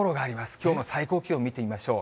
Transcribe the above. きょうの最高気温、見てみましょう。